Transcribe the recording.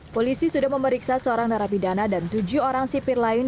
polisi sudah memeriksa seorang narapidana dan tujuh orang sipir lain